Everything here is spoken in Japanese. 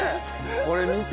これ見て。